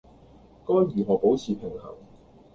該如何保持平衡